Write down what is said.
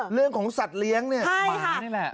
เรื่องของสัตว์เลี้ยงเนี่ยหมานี่แหละ